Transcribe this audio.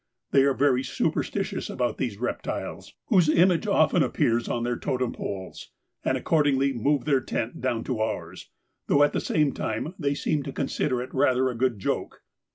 They are very superstitious about these reptiles, whose image often appears on their totem poles, and accordingly moved their tent down to ours, though at the same time they seemed to consider it rather a good joke.